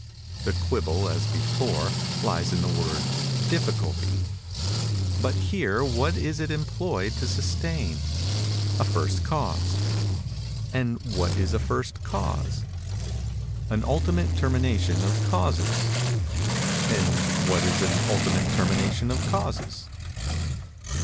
The quibble, as before, lies in the word "difficulty"—but here what is it employed to sustain? A First Cause. And what is a First Cause? An ultimate termination of causes. And what is an ultimate termination of causes?